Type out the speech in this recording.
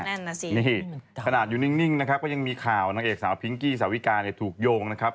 นั่นน่ะสินี่ขนาดอยู่นิ่งนะครับก็ยังมีข่าวนางเอกสาวพิงกี้สาวิกาเนี่ยถูกโยงนะครับ